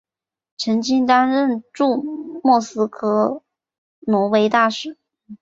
曾经担任驻莫斯科挪威大使。